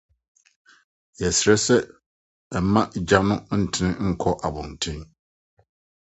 Yɛsrɛ sɛ mma ogya no ntene nkɔ abɔnten.